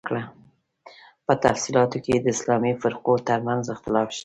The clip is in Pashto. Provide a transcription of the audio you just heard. په تفصیلاتو کې یې د اسلامي فرقو تر منځ اختلاف شته.